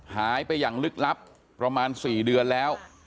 หายไปอย่างลึกลับประมาณ๔เดือนแล้ว